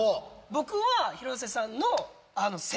僕は広瀬さんの。